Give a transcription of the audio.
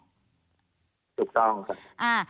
ถูกต้องครับ